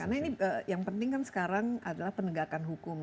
karena ini yang penting kan sekarang adalah penegakan hukum